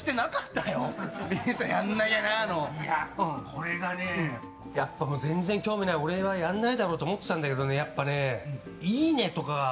これがね、全然興味がない俺はやんないだろうと思ってたんだけどね。